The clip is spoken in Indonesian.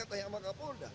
tidak tanya sama kapolda